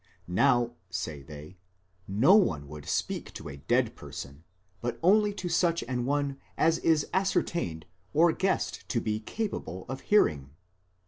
Now, say they, no one would speak to a dead person, but only to such an one as is ascertained or guessed to be capable of hearing.